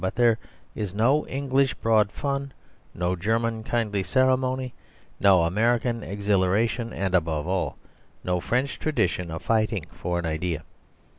But there is no English broad fun, no German kindly ceremony, no American exhilaration, and, above all, no French tradition of fighting for an idea.